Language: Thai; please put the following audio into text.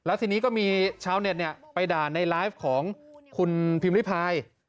แล้วทีนี้ก็มีชาวเน็ตไปด่าในไลฟ์ของคุณพิมพิพาย